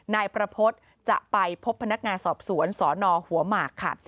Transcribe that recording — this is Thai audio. นายประพฤติจะไปพบพนักงานสอบสวนสนหัวหมากค่ะ